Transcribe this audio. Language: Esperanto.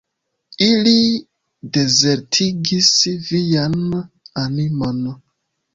Ili dezertigis vian animon!